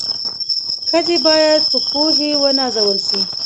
ښځي بايد په پوهي و نازول سي